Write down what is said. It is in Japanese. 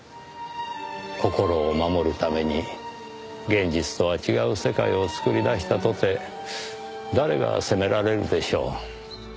心を守るために現実とは違う世界を作り出したとて誰が責められるでしょう。